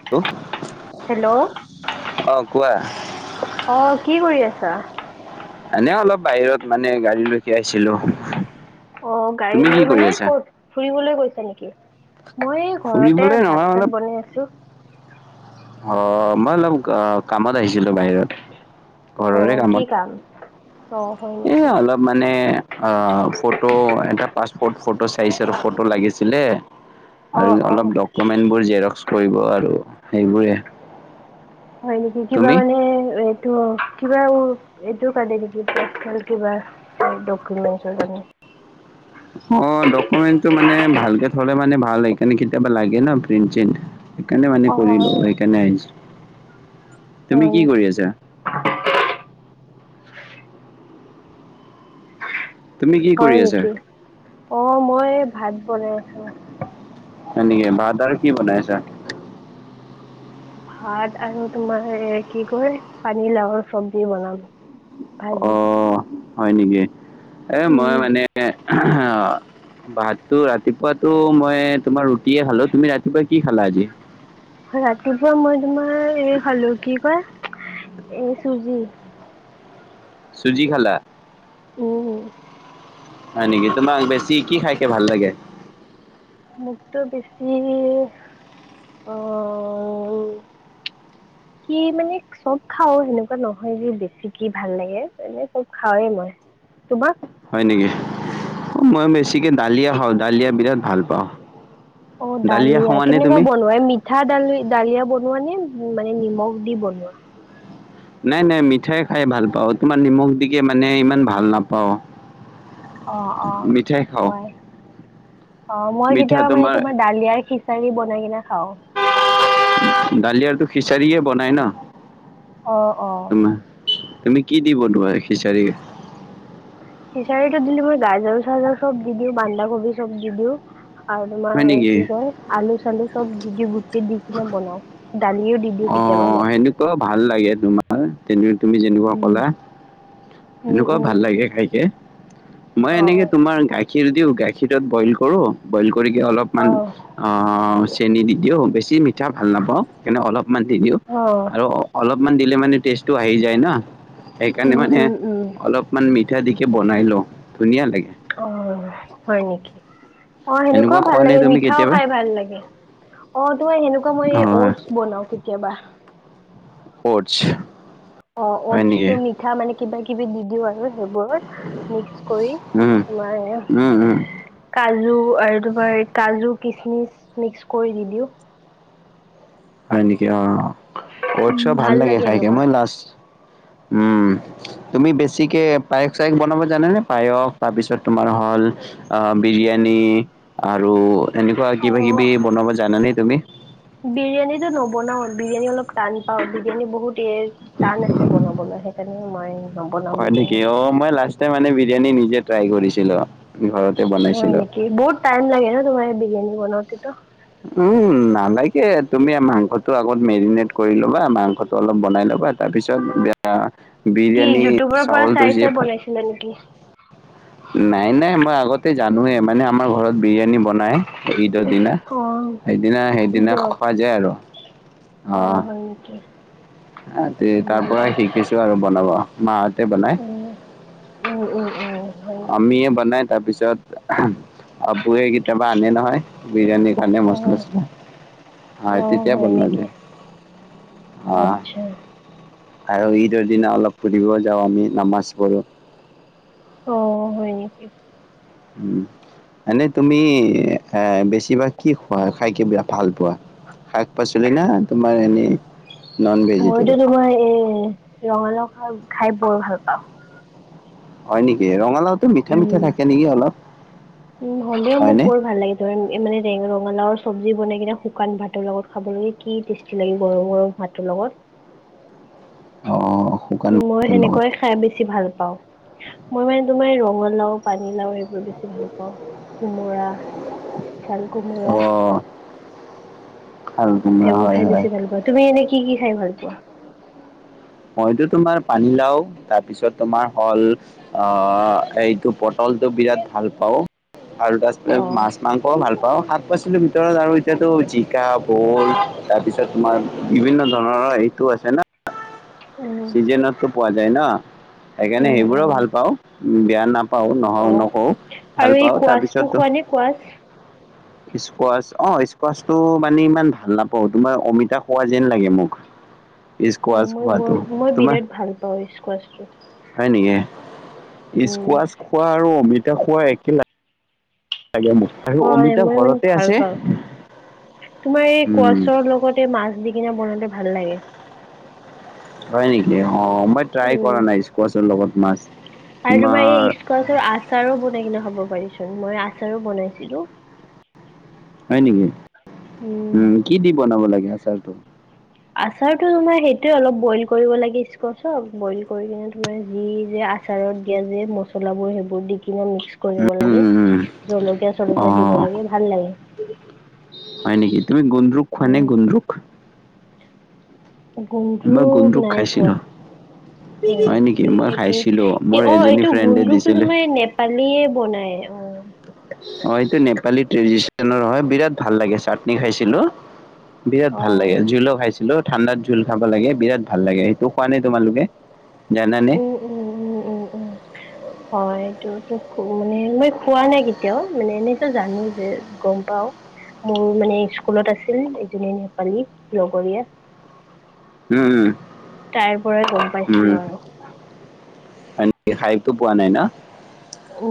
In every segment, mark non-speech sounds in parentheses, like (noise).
Hello hello অ', কোৱা অ', কি কৰি আছা এনে অলপ বাহিৰত মানে গাড়ীলৈকে আহিছিলোঁ অ', তুমি কি গাড়ীলৈ কৰি মানে আছা ক'ত ফুৰিবলৈ গৈছা নেকি মই ঘৰতে ফুৰিবলৈ ভাত নহয় অলপ চাত বনাই আছোঁ অ', মই অলপ অ' কামত আহিছিলোঁ, বাহিৰত ঘৰৰে অ', কি কামত কাম অ' হয় এই নেকি? অলপ মানে অ', ফটো এটা পাছপৰ্ট ফটো চাইজৰ ফটো লাগিছিলে (inaudible) আৰু অ অলপ ডকুমেন্টবোৰ জেৰক্স কৰিব আৰু সেইবোৰে হয় নেকি কিবা তুমি মানে এ টো কিবা এইটোৰ কাৰণে নেকি পেছহাল কিবা ডকুমেন্টৰ কাৰণে অ', ডকুমেণ্টটো মানে ভালকে থ'লে মানে ভাল সেইকাৰণে কেতিয়াবা লাগে ন প্ৰিন্ট চিন্ট সেইকাৰণে মানে অ অ। কৰিলো সেইকাৰণে আহিছো তুমি হয় কি নেকি? কৰি আছা তুমি কি হয় কৰি আছা নেকি, অ মই ভাত বনাই আছো হয় নেকি ভাত আৰু কি বনাইছা (unintelligible) ভাত আৰু তোমাৰ এ কি কয় পানীৰ লাওৰ চব্জি বনাম অ ভাজি। হয় নেকি এ মই উম মানে আহ ভাততো ৰাতিপুৱাতটো মই তোমাৰ ৰুটিয়ে খালো তুমি ৰাতিপুৱা কি খালা আজি ৰাতিপুৱা মই তোমাৰ এই খালো কি কয় এ চুজি চুজি খালা অঁ হয় নেকি তোমাক বেছি কি খাইকে ভাল লাগে মোকতো বেছি অ ওম কি মানে চব খাও সেনেকুৱা নহয় যে বেছি কি ভাল লাগে এনে চব খাওৱেই মই তোমাক হয় নেকি অ মই বেছিকে দালিয়ে খাওঁ দালিয়ে বিৰাট ভাল পাওঁ অ দালিয়া খোৱানে কেনেকুৱা তুমি বনোৱাই মি পিঠা দালি দালিয়া বনোৱা নে মানে নিমখ দি বনোৱা নাই নাই মিঠাই খাই ভাল পাওঁ তোমাৰ নিমখ দিকে মানে ইমান ভাল নাপাও অঁ অঁ খাওঁ হয় অ মই কেতিয়াবা মানে তোমাৰ দালিয়াৰ খিচাৰি বনাই কিনে খাওঁ দালিয়াটো খিচাৰিয়ে বনাই ন অ অ তোমাৰ তুমি কি দি বনোৱা খিচাৰি খিচাৰিটো দিলে মই গাজৰ চাজৰ চব দি দিওঁ বান্ধা কবি চব দি দিওঁ আৰু হয় তোমাৰ এই নেকি কি কয় আলু চালু চব দি দি গুটি দি কিনে বনাওঁ দালি উ দি দিওঁ অ কেতিয়াবা অলপ। সেনেকুৱা ভাল লাগে তোমাৰ তেনে তুমি যেনেকুৱা উম। ক'লা উম এনেকুৱাও উম ভাল লাগে খাইকে মই অ এনেকে অ তোমাৰ গাখীৰ দিওঁ গাখীৰত বইল কৰো বইল কৰি অলপ অ মান অ চেনি দি বেছি মিঠা ভাল নাপাওঁ এনে অলপ দি অ আৰু অলপমান দিলে মানে টেষ্টটো আহি যায় ন সেইকাৰণে উম মানে উম উম। অলপমান মিঠা দিকে বনাই লওঁ ধুনীয়া লাগে অ হয় নেকি অ সেনেকুৱাও এনেকুৱা ভাল খোৱা নে লাগে তুমি মিঠাও কেতিয়াবা খাই ভাল লাগে অ তোমাৰ সেনেকুৱা মই অ অটছ বনাওঁ কেতিয়াবা (inaudible) অ হয় নেকি অটছটো মিঠা মানে কিবা কিবি দিব আৰু সেইবোৰত মিক্স কৰি উম তোমাৰ উম উম কাজু আৰু তোমাৰ কাজু কিচমিচ মিক্স কৰি দি দিও হয় নেকি অ ট চ ভাল লাগে খাইকে মই লাষ্ট উম তুমি বেছিকে পায়স চায়স বনাব জানেনে পায়স তাৰপিছত তোমাৰ হল অ বিৰিয়ানী আৰু এনেকুৱা কিবা কিবি অ', বনাব জানানে তুমি বিৰিয়ানীটো নবনাও বিৰিয়ানী অলপ টান পাও বিৰিয়ানী বহুত এ টান আছে বনাবলৈ হে এনে ময় হয় নেকি অ মই লাষ্টাই মানে বিৰিয়ানী নিজে ট্ৰাই কৰিছিলো ঘৰতে হয় বনাইছিলো নেকি বহুত টাইম লাগে ন তোমাৰ বিয়ানী বনওঁতেটো উম নালাগে তুমি মাংসটো আগত মেৰিনেট কৰি ল'বা মাংসটো অলপ বনাই ল'বা তাৰপিছ এয়া কি বিৰিয়ানী ইউটিউবৰ পৰা চাউলতটো চাই যে (unintelligible) (unintelligible) নাই নাই মই আগতে জানোয়ে মানে আমাৰ ঘৰত বিৰিয়ানী বনাই ঈদৰ দিনা অ', সেইদিনা সেইদিনা ঈদত খোৱা যায় আৰু আহ থিকে আ ই তাৰ পৰাই শিকিছো আৰু বনাব মাহঁতে বনাই ওঁ, ওঁ ওঁ ওঁ। অম্মিয়ে বনাই তাৰপিছত আবুৱে কেতিয়াবা আনে নহয়। বিৰানি ৰান্ধে মচ অ', মচকে আ- অ', তেতিয়া হয় বনোৱা নেকি? যায়। আহ আচ্ছা আৰু ঈদৰ দিনা অলপ ফুৰিব যাওঁ। আমি নামাজ পঢ়োঁ অঁ -হয় নেকি? উম, এনে তুমি এ বেছিভাগ কি খোৱা? খাই কি বে ভাল পোৱা? শাক- পাচলি না? তোমাৰ এনেই নন মইতো ভেজিটেবল তোমাৰ এই ৰঙালাও শাক খাই বৰ ভাল পাওঁ। হয় নেকি? ৰঙালাওটো মিঠা মিঠা থাকে নেকি অলপ? উম, হ'লেও মোক হয়নে বৰ ভাল লাগে তোমাৰ এ মানে ৰে ৰঙালাওৰ চব্বজী বনাই কিনে শুকান ভাতৰ লগত খাবলে কি টেষ্ট লাগে গৰম গৰম ভাতৰ লগত। অঁ শুকান মই ভাতৰ লগত সেনেকুৱাই খাই বেছি ভাল পাওঁ। মই মানে তোমাৰ ৰঙালাও, পানীলাও এইবোৰ বেছি ভাল পাওঁ। কোমোৰা, চালকোমোৰা। অঁ আৰু কোমোৰা সেইবোৰ হয় খাই হয় বেছি ভাল পাওঁ। তুমি এনে কি কি খাই ভাল পোৱা? মইতো তোমাৰ পানীলাও তাৰপিছত তোমাৰ হ'ল আ এইটো পটলটো বিৰাট ভাল পাওঁ। আৰু অ তাৰপিছতে মাছ -মাংসও ভাল পাওঁ। শাক - পাচ লিৰ ভিতৰত আৰু এতিয়াতো জিকা, ভুল তাৰপিছত তোমাৰ বিভিন্ন ধৰণৰ এইটো আছে না - উম চিজেনটো পোৱা যায় ন'? সেইকাৰণে উম সেইবোৰো উম ভাল পাওঁ। বেয়া নাপাওঁ নহওঁ অ নকও। আৰু ভাল এই পাওঁ কোৱাচটো তাৰপিছতো খোৱা নে কোৱাচ স্কোৱাচ অঁ স্কোৱাচটো মানে ইমান ভাল নাপাওঁ। তোমাৰ অমিতা খোৱা যেন লাগে মোক। উ স্কুৱাজ মই বৰ- মই বিৰাট ভাল পাওঁ স্কোৱাচটো। হয় নেকি? উম স্কোৱাচ খোৱা আৰু অমিতা খোৱা একে লাগ্ লাগে মোক। হয় অমিতা মই মানে ঘৰতে ভাল আছে পাওঁ। তোমাৰ এই উম স্কুৱাছৰ লগত তে মাছ দিকিনে বনালে ভাল লাগে। হয় নেকি? অঁ মই ট্ৰাই কৰা নাই স্কোৱাচৰ লগত মাছ। তাৰ তোমাৰ এই স্কোৱাচৰ আচাৰো বনাই কিনে খাব পাৰিচোন। মই আচাৰো বনাইছিলোঁ। হয় নেকি? উম, কি দি বনাব লাগে আচাৰটো? আচাৰতো তোমাৰ সেইটোৱে অলপ বইল কৰিব লাগে স্কচক। বইল কৰি কিনে তোমাৰ যি যে আচাৰত দিয়া যে মচলাবোৰ সেইবোৰ দি কিনে মিক্স কৰিব উম লাগে উম উম জলকীয়া- অ চলকীয়া দিব লাগে ভাল লাগে। হয় নেকি? তুমি গোণ্ড্ৰুক খোৱা নে উম গোণ্ড্ৰুক? মই গুন্দ্ৰুক্ গুন্দৰুক নাই খোৱা। খাইছিলোঁ হয় হয় নেকি? মই খাইছিলোঁ মোৰ এইটো অ এজনী এইটো ফ্ৰেণ্ডে গুণ্ড্ৰুক্ দিছিলে তোমাৰ নেপ নেপালীয়ে বনায় অঁ। অঁ এইটো নেপালীৰ ট্ৰেডিচনেল হয় বিৰাট ভাল লাগে চাটনি খাইছিলোঁ। বিৰাট অ ভাল লাগে ঝুলো খাইছিলোঁ। ঠাণ্ডাত জোল খাব লাগে বিৰাট ভাল লাগে সেইটো খোৱা নে তোমালোকে জানা নে উম উম উম উম হয় এইটো তো মানে মই খোৱা নাই কেতিয়াও মানে এনেতো জানো যে গম পাওঁ মোৰ মানে স্কুলত আছিল এজনী নেপালী লগৰীয়া উম, তাইৰ পৰাই গম পাইছিলোঁ আৰু সেনেকে খাইতো পোৱা নাই ন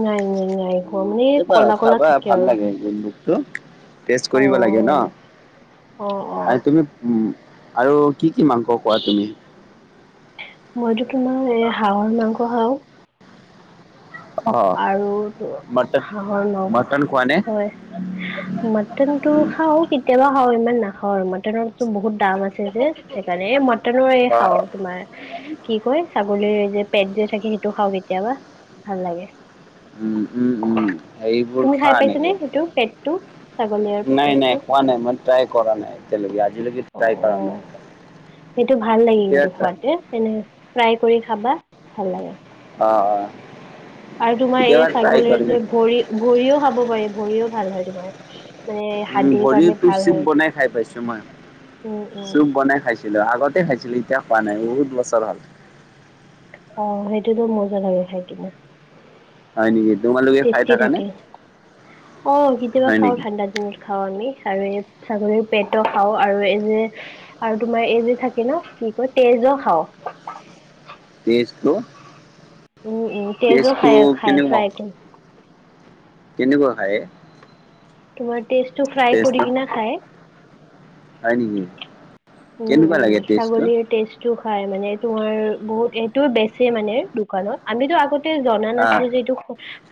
নাই নাই নাই খোৱা মানে কেতিয়াবা কলা কলা খাবা থাকে ভাল আৰু লাগে সেইটো তো টৈজ অ কৰিব লাগে ন হয় নেকি অ অ মানে তুমি আৰু কি কি মাংস খোৱা তুমি মইতো তোমাৰ এ হাঁহৰ মাংস খাওঁ অ' আৰু মটন হাঁহৰ নগ মটন খোৱা নে? হয় হা মটন টো উম, খাওঁ কেতিয়াবা খাওঁ ইমান নাখাওঁ আৰু মাটনতো বহুত দাম আছে যে সেইকাৰণে এই মাটনৰ এই খাওঁ অ' তোমাৰ কি কয় ছাগলীৰ যে পেট যে থাকে সেইটো খাওঁ কেতিয়াবা ভাল লাগে উম উম উম সেইবোৰ তুমি খাই খাওঁ পাইছানে নেকি সেইটো পেটটো ছাগলীৰ নাই নাই পেটটো খোৱা নাই মই ট্ৰাই কৰা নাই এতিয়া লৈকে আজিলৈকে অ ট্ৰাই অ কৰা নাই এতিয়া ট্ৰাই এ কেনে ফ্ৰাই কৰি খাবা ভাল লাগে অহ অহ আৰু তোমাৰ এই ছাগলীৰ যে ভৰি ভৰিও খাব পাৰি ভৰিও ভাল হয় তোমাৰ মানে উম হাৰ্ডিৰ কাৰণে ভৰিতো ভাল চুপ হয় এইটো বনাই খাই পাইছো মই উম উম চুপ বনাই খাইছোঁ কিন্তু আগতে খাইছিলোঁ এতিয়া খোৱা নাই বহুত বছৰ ‌হল‌ অহ সেইটোতো মজা লাগে খাই কিনে হয় নেকি তোমালোক টেষ্টি থাকে অহ কেতিয়াবা হয় খাওঁ নেকি ঠাণ্ডা দিনত খাওঁ আমি আৰু এই ছাগলীৰ পেটু খাওঁ আৰু এই যে আৰু তোমাৰ এই যে থাকে ন কি কয় তেজো খাওঁ তেজটো উম, উম, তেজো তেজটো খাই খাই কেনেকুৱা ফ্ৰাই কৰি কেনেকুৱা খায় তোমাৰ টেষ্টটো ফ্ৰাই কৰি টেষ্টটো কিনে খাই হয় নেকি কেনেকুৱা লাগে টেষ্টটো সেইটো খাই মানে তোমাৰ বহুত সেইটো বেছি মানে দোকানত আমিতো আগতে আগতে‌ জনা আ নাছিলো যে এইটো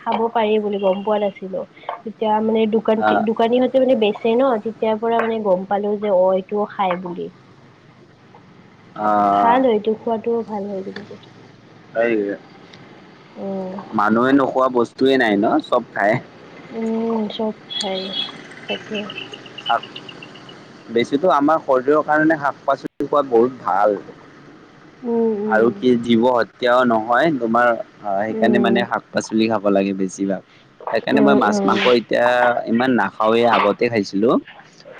খাব পাৰি বুলি গম পোৱা নাছিলো এতিয়া মানে‌এইটো দোকান আ দোকানীহঁতে মানে বেছে ন তেতিয়া পৰা মানে গম পালো যে অ এইটো খাই বুলি আ ভাল হয় এইটো খোৱাতটোও ভাল হয় কিন্তু হয় উম। মানুহে নোখোৱা বস্তুয়ে নাই ন চব খাই উম চব খাই তাকে শাক বেছিতো আমাৰ শৰীৰৰ কাৰণে শাক পাচলি ৰাতিপুৱা বহুত ভাল উম আৰু উম। কি জীৱ এতিয়াও নহয় তোমাৰ অহ সেইকাৰণে উম মানে শাক পাচলি খাব লাগে বেছিভাগ সেইকাৰণে উম মই মাছ উম মাংস এতিয়া ইমান নাখাওঁৱেই আগতে খাই দিলো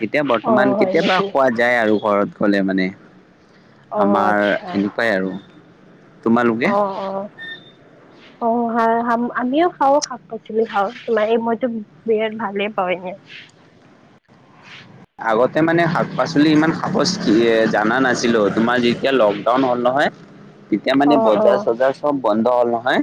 এতিয়া অ বৰ্তমান হয় কেতিয়াবা নেকি? খোৱা যায় আৰু ঘৰত গলে মানে অ আমাৰ আচ্ছা সেনেকুৱাই আৰু তোমালোকে অহ অহ অ আমিও খাওঁ শাক-পাচলি খাওঁ। মানে মইতো বিৰাট ভালে পাওঁ এনে। আগতে মানে শাক-পাচলি ইমান সাপজ জানা নাছিলো। তোমাৰ যেতিয়া লকডাউন হ'ল নহয় (unintelligible) তেতিয়া মানে অ বজাৰ চজাৰ চব বন্ধ হ'ল নহয়,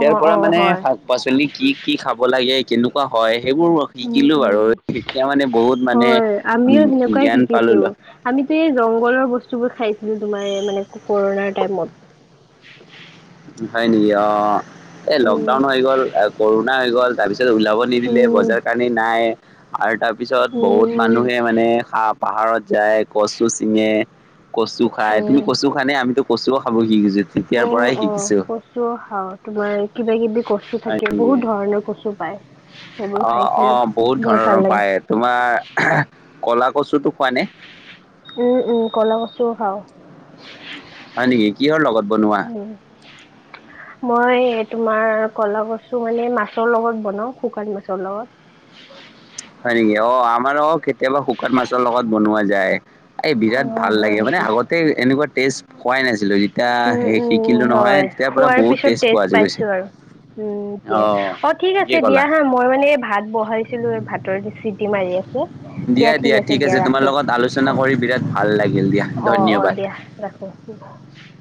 অ পৰা অ মানে হয় শাক-পাচলি কি কি খাব লাগে, কেনেকুৱা হয়? সেইবোৰ উম শিকিলো বাৰু। উম এতিয়া মানে বহুত মানে হয় উ জ্ঞান পালোল। আমিতে জংঘলৰ বস্তুবোৰ খাইছিলো, তোমাৰ মানে কৰণাৰ টাইমত। হয় নেকি? অ, এই উম লকডাউন হৈ গ'ল কৰুণা হৈ গ'ল, তাৰ পিছত ওলাব নিদিলে, উম বজাৰ কানি নাই। আৰু তাৰ পিছত উম বহুত উম মানুহে মানে পাহাৰত যায় কচু চিঙে, কচু খাই, উম, তুমি কচু খোৱানে? আমিতো কচুও খাব শিকিছো, তেতিয়াৰ অ', পৰাই অ শিকি কচুও খাওঁ! তোমাৰ কিবা-কিবি কচু হয় থাকে, নেকি বহুত ধৰণৰ কচু পায়। সেইবোৰ অ, অ খাইছিলোঁ বহুত বৰ ভাল ধৰণৰ লাগে পায়। তোমাৰ কলা কচুটো খোৱানে? উম, উম ক'লা কচুও খাও। হয় নেকি, কিহৰ লগত বনোৱা? উম! মই, তোমাৰ ক'লা কচু মানে মাছৰ লগত বনাও শুকান মাছৰ লগত। হয় নেকি? অ আমাৰো কেতিয়াবা শুকান মাছৰ লগত বনোৱা যায়। এই বিৰাট অ', ভাল হয় লাগে। মানে নেকি? আগতে এনেকুৱা টেষ্ট খোৱাই নাছিলো। এতিয়া উম, সেই উম, শিকিলো নহয় হয় তেতিয়াৰ পৰা খোৱাৰ বহুত পিছত টেষ্ট পোৱা পাইছোঁ গৈছে। আৰু। উম দিয়া! অ ঠিক আছে ঠিকেই ক'লা দিয়া হা। মই মানে এই ভাত বহাইছিলো, এই ভাতৰ চিটি মাৰি আছে। দিয়া ঠিক আছে দিয়া তোমাৰ ৰাখো। লগত আলোচনা অ, কৰি বিৰাট ভাল লাগিল দিয়া অ, অ ধন্যবাদ। দিয়া ৰাখো। (unintelligible)